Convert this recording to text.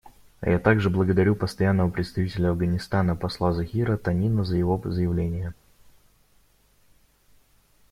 Я также благодарю Постоянного представителя Афганистана посла Захира Танина за его заявление.